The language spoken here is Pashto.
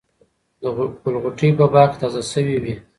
د ګل غوټۍ په باغ کې تازه شوې وې.